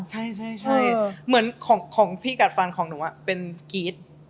ใช่เหมือนของพี่กัดฟันของหนูเป็นกรี๊ด